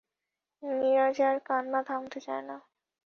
নীরজার কান্না থামতে চায় না।